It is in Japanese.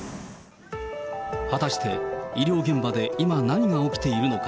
果たして医療現場で今、何が起きているのか。